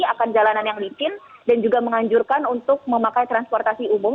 akan jalanan yang licin dan juga menganjurkan untuk memakai transportasi umum